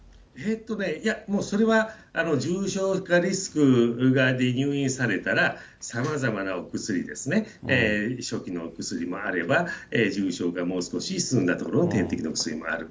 もうそれは、重症化リスクがあって、入院されたら、さまざまなお薬ですね、初期のお薬もあれば、重症化、もう少し進んだところ点滴するところもある。